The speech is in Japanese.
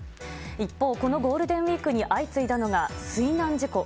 一方、このゴールデンウィークに相次いだのが水難事故。